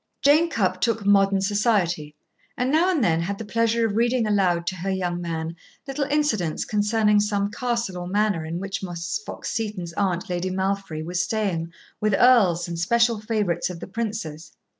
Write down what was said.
Jane Cupp took "Modern Society," and now and then had the pleasure of reading aloud to her young man little incidents concerning some castle or manor in which Miss Fox Seton's aunt, Lady Malfry, was staying with earls and special favorites of the Prince's.